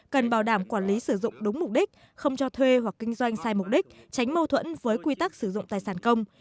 cần bảo đảm quản lý sử dụng đúng mục đích không cho thuê hoặc kinh doanh sai mục đích tránh mâu thuẫn với quy tắc sử dụng tài sản công